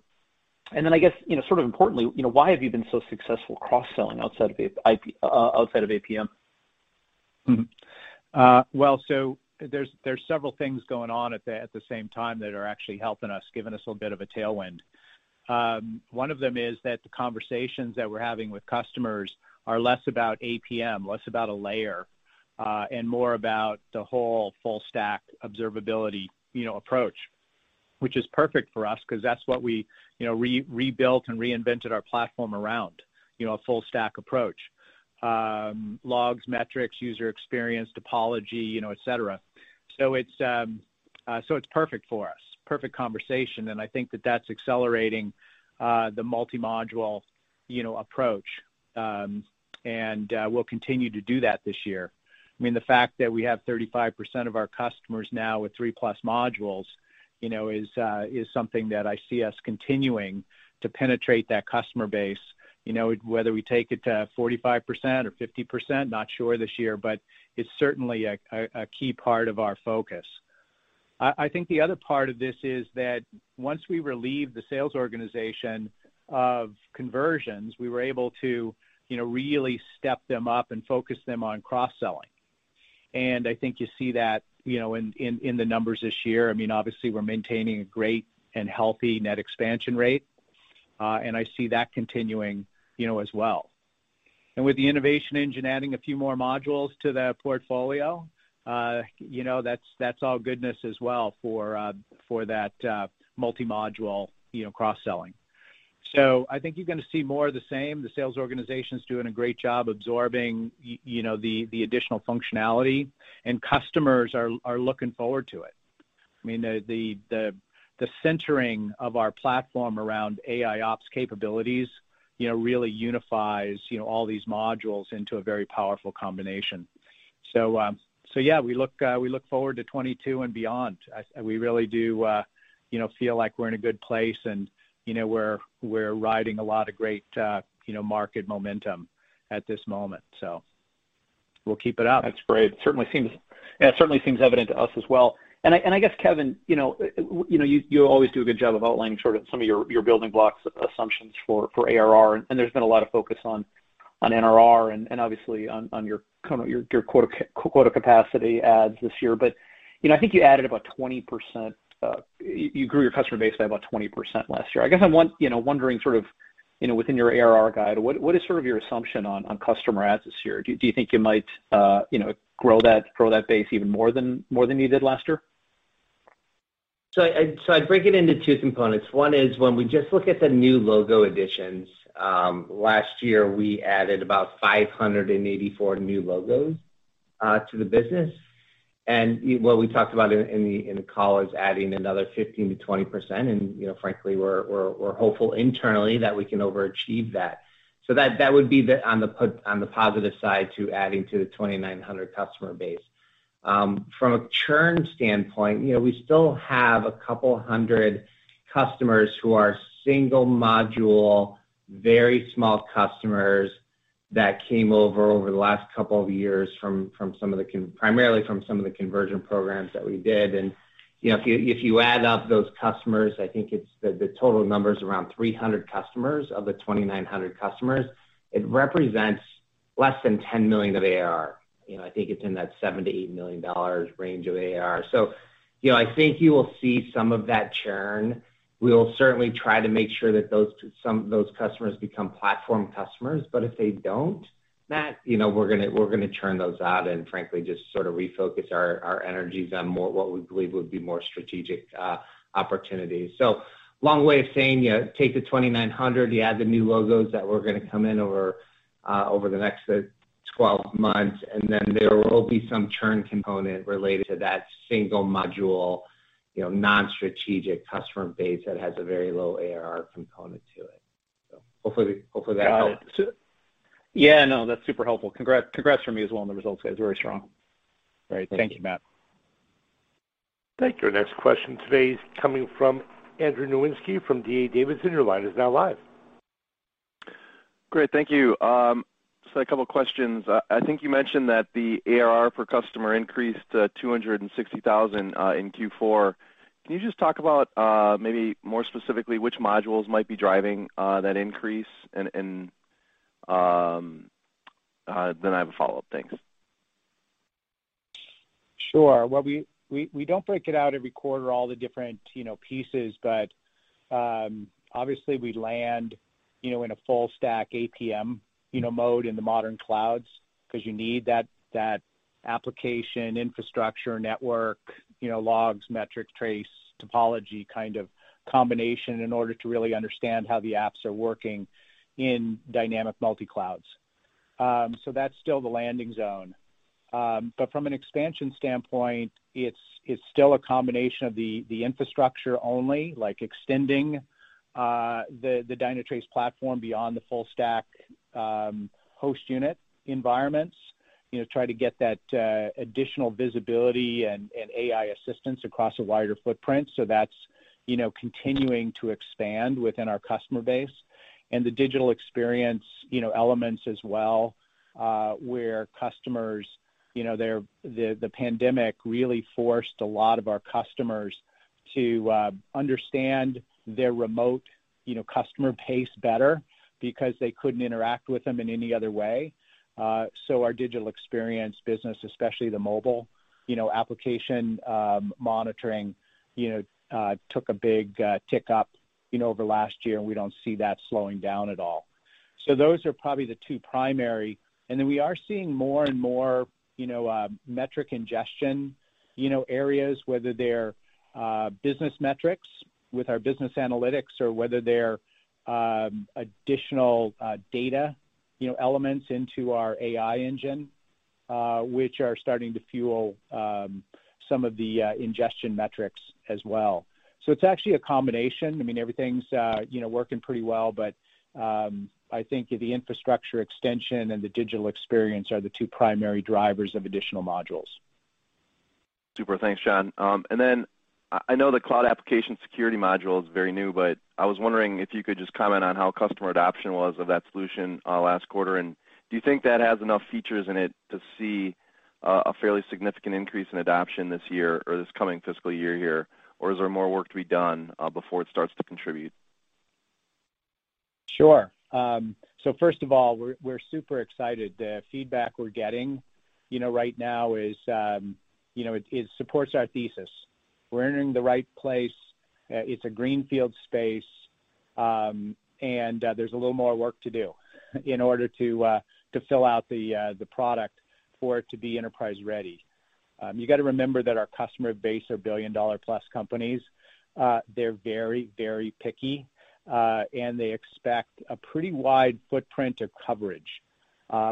Then I guess, sort of importantly, why have you been so successful cross-selling outside of APM?
There's several things going on at the same time that are actually helping us, giving us a little bit of a tailwind. One of them is that the conversations that we're having with customers are less about APM, less about a layer, and more about the whole full-stack observability approach, which is perfect for us because that's what we rebuilt and reinvented our platform around, a full-stack approach. Logs, metrics, user experience, topology, et cetera. It's perfect for us. Perfect conversation, I think that that's accelerating the multi-module approach. We'll continue to do that this year. The fact that we have 35% of our customers now with 3+ modules, is something that I see us continuing to penetrate that customer base. Whether we take it to 45% or 50%, not sure this year, but it's certainly a key part of our focus. I think the other part of this is that once we relieve the sales organization of conversions, we were able to really step them up and focus them on cross-selling. I think you see that in the numbers this year. Obviously, we're maintaining a great and healthy net expansion rate. I see that continuing as well. With the innovation engine adding a few more modules to the portfolio, that's all goodness as well for that multi-module cross-selling. I think you're going to see more of the same. The sales organization's doing a great job absorbing the additional functionality, and customers are looking forward to it. The centering of our platform around AIOps capabilities really unifies all these modules into a very powerful combination. Yeah, we look forward to 2022 and beyond. We really do feel like we're in a good place, and we're riding a lot of great market momentum at this moment. We'll keep it up.
That's great. It certainly seems evident to us as well. I guess, Kevin, you always do a good job of outlining sort of some of your building blocks assumptions for ARR, and there's been a lot of focus on NRR and obviously on your quota capacity adds this year. I think you grew your customer base by about 20% last year. I guess I'm wondering sort of within your ARR guide, what is sort of your assumption on customer adds this year? Do you think you might grow that base even more than you did last year?
I'd break it into two components. One is when we just look at the new logo additions. Last year, we added about 584 new logos to the business. What we talked about in the call is adding another 15%-20%, and frankly, we're hopeful internally that we can overachieve that. That would be on the positive side to adding to the 2,900 customer base. From a churn standpoint, we still have a couple hundred customers who are single-module, very small customers that came over the last couple of years, primarily from some of the conversion programs that we did. If you add up those customers, I think the total number is around 300 customers of the 2,900 customers. It represents less than $10 million of ARR. I think it's in that $7 million-$8 million range of ARR. I think you will see some of that churn. We'll certainly try to make sure that some of those customers become platform customers, but if they don't, Matt, we're going to churn those out and frankly, just sort of refocus our energies on what we believe would be more strategic opportunities. Long way of saying, take the 2,900, you add the new logos that we're going to come in over the next 12 months, and then there will be some churn component related to that single-module, non-strategic customer base that has a very low ARR component to it. Hopefully that helped.
Yeah, no, that's super helpful. Congrats from me as well on the results, guys. Very strong.
Great.
Thank you, Matt.
Thank you. Our next question today is coming from Andrew Nowinski from D.A. Davidson. Your line is now live.
Great. Thank you. A couple of questions. I think you mentioned that the ARR per customer increased to $260,000 in Q4. Can you just talk about maybe more specifically which modules might be driving that increase? I have a follow-up. Thanks.
Sure. We don't break it out every quarter, all the different pieces, obviously we land in a full-stack APM mode in the modern clouds because you need that application infrastructure network, logs, metrics, trace, topology kind of combination in order to really understand how the apps are working in dynamic multi-clouds. That's still the landing zone. From an expansion standpoint, it's still a combination of the infrastructure only, like extending the Dynatrace platform beyond the full-stack host unit environments, try to get that additional visibility and AI assistance across a wider footprint. That's continuing to expand within our customer base. The digital experience elements as well, where the pandemic really forced a lot of our customers to understand their remote customer pace better because they couldn't interact with them in any other way. Our digital experience business, especially the mobile application monitoring, took a big tick up over last year, and we don't see that slowing down at all. Those are probably the two primary. We are seeing more and more metric ingestion areas, whether they're business metrics with our business analytics or whether they're additional data elements into our AI engine, which are starting to fuel some of the ingestion metrics as well. It's actually a combination. Everything's working pretty well. I think the infrastructure extension and the digital experience are the two primary drivers of additional modules.
Super. Thanks, John. I know the cloud Application Security module is very new, but I was wondering if you could just comment on how customer adoption was of that solution last quarter. Do you think that has enough features in it to see a fairly significant increase in adoption this year or this coming fiscal year here? Is there more work to be done before it starts to contribute?
Sure. First of all, we're super excited. The feedback we're getting right now, it supports our thesis. We're entering the right place. It's a greenfield space, and there's a little more work to do in order to fill out the product for it to be enterprise-ready. You got to remember that our customer base are billion-dollar-plus companies. They're very, very picky, and they expect a pretty wide footprint of coverage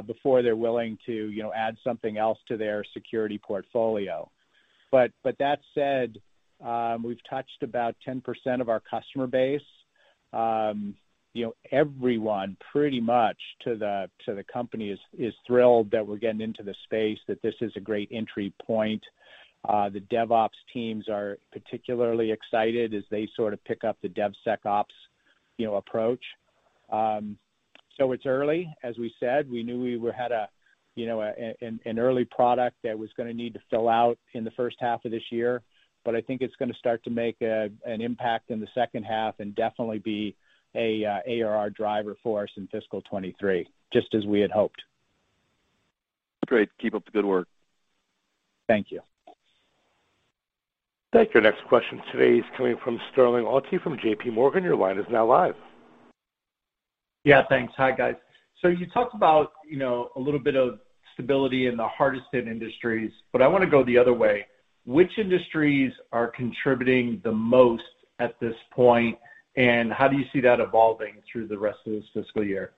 before they're willing to add something else to their security portfolio. That said, we've touched about 10% of our customer base. Everyone, pretty much, to the company is thrilled that we're getting into the space, that this is a great entry point. The DevOps teams are particularly excited as they sort of pick up the DevSecOps approach. It's early, as we said. We knew we had an early product that was going to need to fill out in the first half of this year, but I think it's going to start to make an impact in the second half and definitely be a ARR driver for us in fiscal 2023, just as we had hoped.
Great. Keep up the good work.
Thank you.
Thank you. Our next question today is coming from Sterling Auty from JPMorgan. Your line is now live
Yeah, thanks. Hi, guys. You talked about a little bit of stability in the hardest hit industries, but I want to go the other way. Which industries are contributing the most at this point, and how do you see that evolving through the rest of this fiscal year?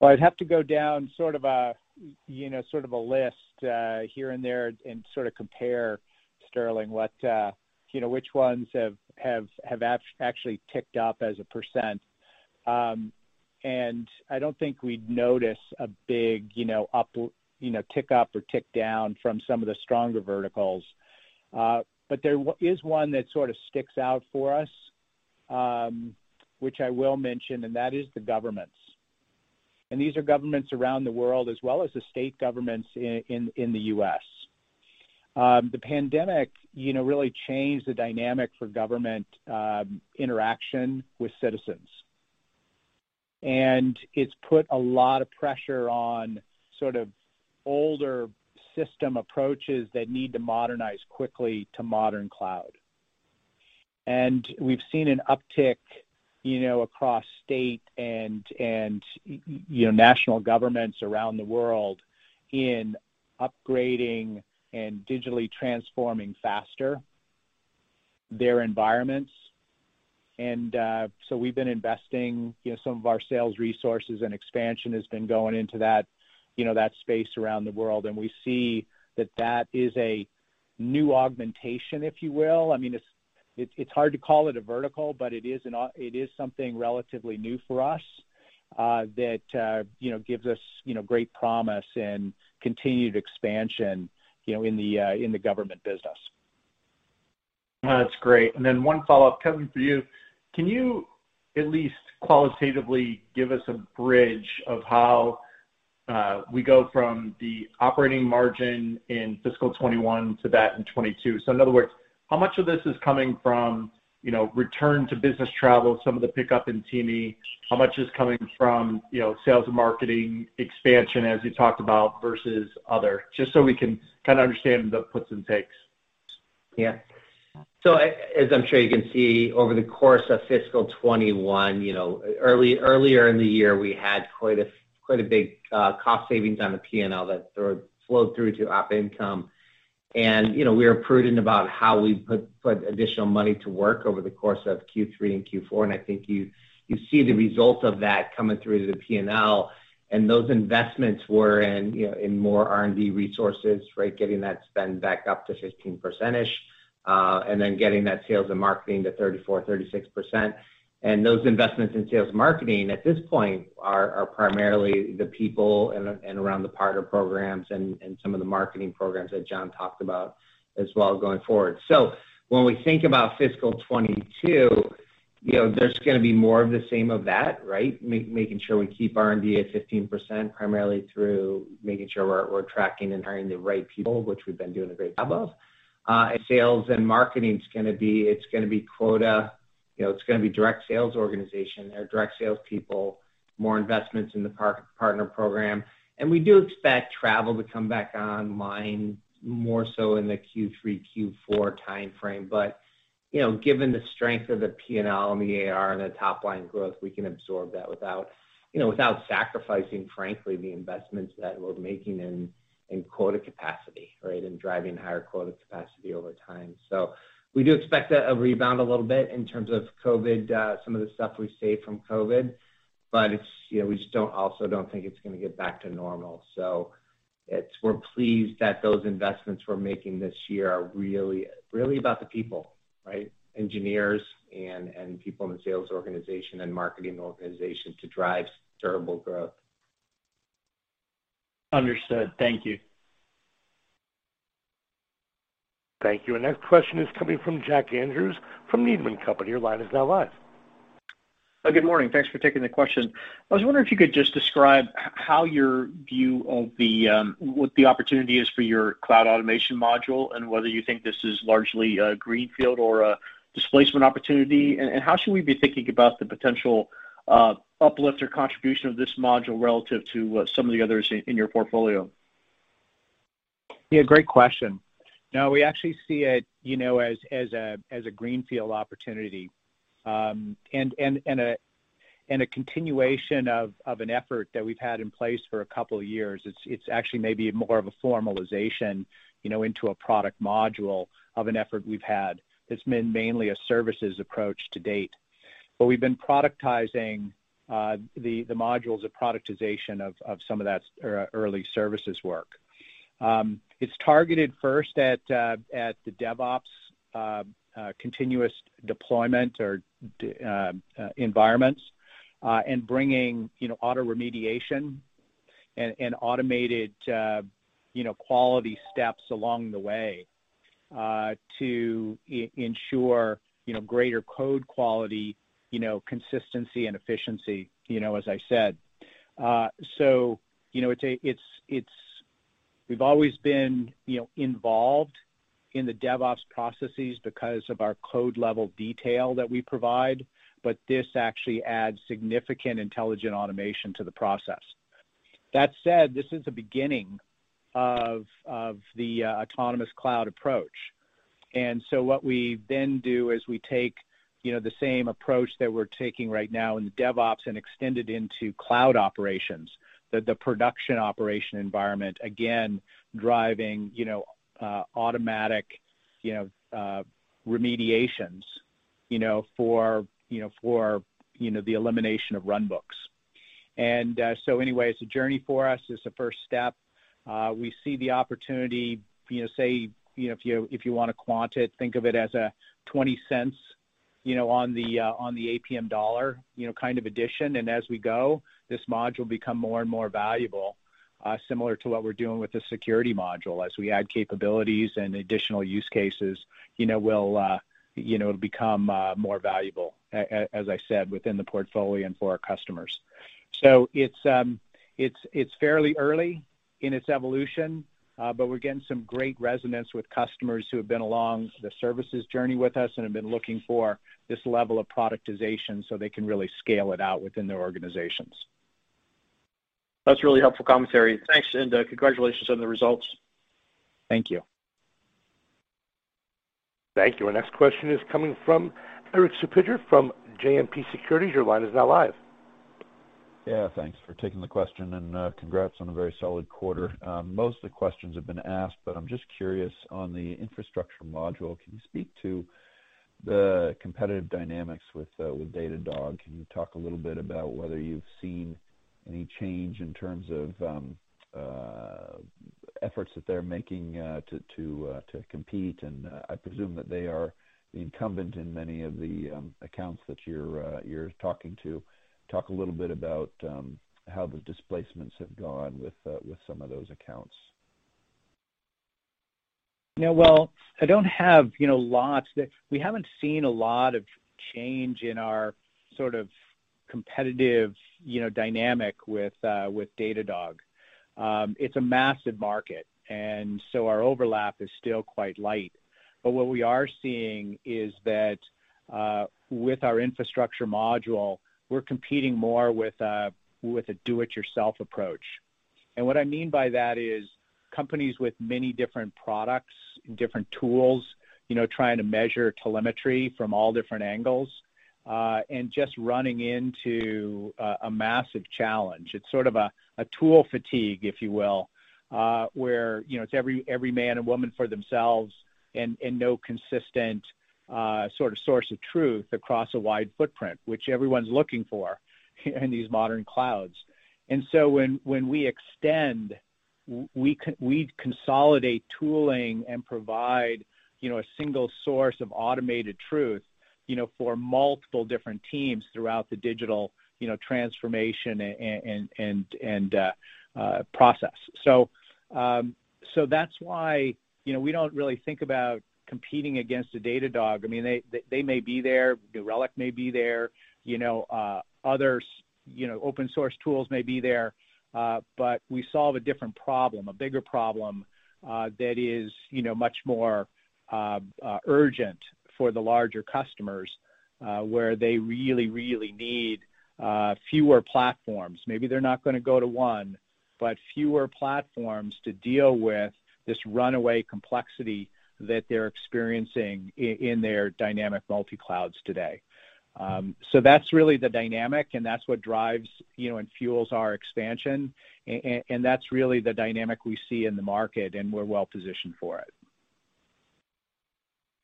Well, I'd have to go down sort of a list here and there and sort of compare, Sterling, which ones have actually ticked up as a percent. I don't think we'd notice a big tick up or tick down from some of the stronger verticals. There is one that sort of sticks out for us, which I will mention, and that is the governments. These are governments around the world, as well as the state governments in the U.S. The pandemic really changed the dynamic for government interaction with citizens. It's put a lot of pressure on older system approaches that need to modernize quickly to modern cloud. We've seen an uptick across state and national governments around the world in upgrading and digitally transforming faster their environments. We've been investing some of our sales resources, and expansion has been going into that space around the world, and we see that that is a new augmentation, if you will. It's hard to call it a vertical, but it is something relatively new for us that gives us great promise and continued expansion in the government business.
That's great. Then one follow-up, Kevin, for you. Can you at least qualitatively give us a bridge of how we go from the operating margin in fiscal 2021 to that in 2022? In other words, how much of this is coming from return to business travel, some of the pickup in T&E, how much is coming from sales and marketing expansion as you talked about versus other, just so we can kind of understand the puts and takes.
Yeah. As I'm sure you can see, over the course of Fiscal 2021, earlier in the year, we had quite a big cost savings on the P&L that sort of flowed through to op income. We were prudent about how we put additional money to work over the course of Q3 and Q4, and I think you see the results of that coming through to the P&L. Those investments were in more R&D resources, right, getting that spend back up to 15%-ish, and then getting that sales and marketing to 34%, 36%. Those investments in sales and marketing at this point are primarily the people and around the partner programs and some of the marketing programs that John talked about as well going forward. When we think about Fiscal 2022, there's going to be more of the same of that, right? Making sure we keep R&D at 15%, primarily through making sure we're tracking and hiring the right people, which we've been doing a great job of. Sales and marketing, it's going to be quota, it's going to be direct sales organization or direct sales people, more investments in the partner program. We do expect travel to come back online more so in the Q3, Q4 timeframe. Given the strength of the P&L and the ARR and the top-line growth, we can absorb that without sacrificing, frankly, the investments that we're making in quota capacity, right, and driving higher quota capacity over time. We do expect a rebound a little bit in terms of COVID, some of the stuff we saved from COVID, but we also don't think it's going to get back to normal. We're pleased that those investments we're making this year are really about the people, right. Engineers and people in the sales organization and marketing organization to drive durable growth.
Understood. Thank you.
Thank you. Our next question is coming from Jack Andrews from Needham & Company. Your line is now live.
Good morning. Thanks for taking the question. I was wondering if you could just describe how your view on what the opportunity is for your Cloud Automation module, whether you think this is largely a greenfield or a displacement opportunity. How should we be thinking about the potential uplift or contribution of this module relative to some of the others in your portfolio?
Yeah, great question. We actually see it as a greenfield opportunity, and a continuation of an effort that we've had in place for a couple of years. It's actually maybe more of a formalization into a product module of an effort we've had that's been mainly a services approach to date. We've been productizing the modules of productization of some of that early services work. It's targeted first at the DevOps continuous deployment or environments, and bringing auto remediation and automated quality steps along the way to ensure greater code quality, consistency, and efficiency, as I said. We've always been involved in the DevOps processes because of our code-level detail that we provide, but this actually adds significant intelligent automation to the process. That said, this is the beginning of the autonomous cloud approach. What we then do is we take the same approach that we're taking right now in the DevOps and extend it into cloud operations, the production operation environment, again, driving automatic remediations for the elimination of runbooks. Anyway, it's a journey for us. It's a first step. We see the opportunity, say, if you want to quant it, think of it as a $0.20 on the APM dollar kind of addition. As we go, this module become more and more valuable, similar to what we're doing with the security module. As we add capabilities and additional use cases, it'll become more valuable, as I said, within the portfolio and for our customers. It's fairly early in its evolution, but we're getting some great resonance with customers who have been along the services journey with us and have been looking for this level of productization so they can really scale it out within their organizations.
That's really helpful commentary. Thanks. Congratulations on the results.
Thank you.
Thank you. Our next question is coming from Erik Suppiger from JMP Securities. Your line is now live.
Yeah, thanks for taking the question. Congrats on a very solid quarter. Most of the questions have been asked. I'm just curious, on the infrastructure module, can you speak to the competitive dynamics with Datadog? Can you talk a little bit about whether you've seen any change in terms of efforts that they're making to compete? I presume that they are the incumbent in many of the accounts that you're talking to. Talk a little bit about how the displacements have gone with some of those accounts.
Well, I don't have lots. We haven't seen a lot of change in our sort of competitive dynamic with Datadog. It's a massive market. Our overlap is still quite light. What we are seeing is that with our infrastructure module, we're competing more with a do-it-yourself approach. What I mean by that is companies with many different products and different tools trying to measure telemetry from all different angles, and just running into a massive challenge. It's sort of a tool fatigue, if you will, where it's every man and woman for themselves and no consistent sort of source of truth across a wide footprint, which everyone's looking for in these modern clouds. When we extend, we consolidate tooling and provide a single source of automated truth for multiple different teams throughout the digital transformation and process. That's why we don't really think about competing against a Datadog. They may be there, New Relic may be there, other open source tools may be there, but we solve a different problem, a bigger problem that is much more urgent for the larger customers, where they really, really need fewer platforms. Maybe they're not going to go to one, but fewer platforms to deal with this runaway complexity that they're experiencing in their dynamic multi-clouds today. That's really the dynamic, and that's what drives and fuels our expansion, and that's really the dynamic we see in the market, and we're well-positioned for it.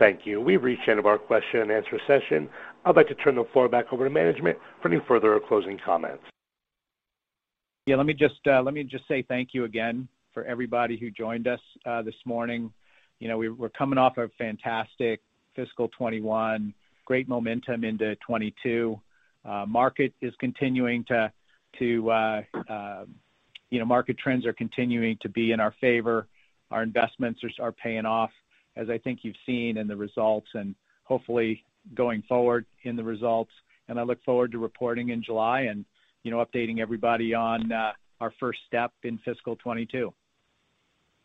Thank you. We've reached the end of our question and answer session. I'd like to turn the floor back over to management for any further closing comments.
Yeah, let me just say thank you again for everybody who joined us this morning. We're coming off a fantastic Fiscal 2021, great momentum into 2022. Market trends are continuing to be in our favor. Our investments are paying off, as I think you've seen in the results and hopefully going forward in the results. I look forward to reporting in July and updating everybody on our first step in Fiscal 2022.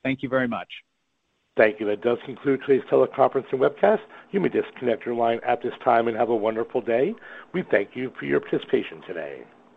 Thank you very much.
Thank you. That does conclude today's teleconference and webcast. You may disconnect your line at this time, and have a wonderful day. We thank you for your participation today.